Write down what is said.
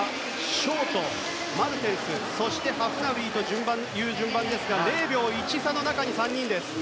ショート、マルテンスハフナウイという順番ですが０秒１差の中に３人です。